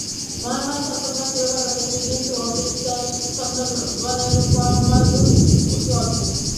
মহামায়ার সন্তানগণ চিরকাল বাঁচিয়া থাকে, কিন্তু অবিদ্যার সন্তানগণের পরমায়ু অতি অল্প।